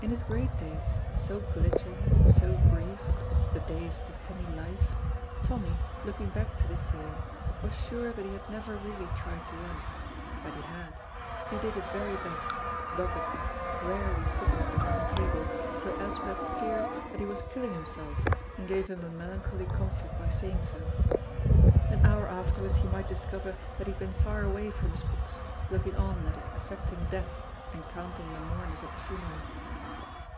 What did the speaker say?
In his great days, so glittering, so brief (the days of the penny Life) Tommy, looking back to this year, was sure that he had never really tried to work. But he had. He did his very best, doggedly, wearily sitting at the round table till Elspeth feared that he was killing himself and gave him a melancholy comfort by saying so. An hour afterwards he might discover that he had been far away from his books, looking on at his affecting death and counting the mourners at the funeral.